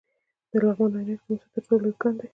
د لغمان عينک د مسو تر ټولو لوی کان دی